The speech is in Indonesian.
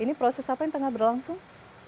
ini proses apa yang tengah berlangsung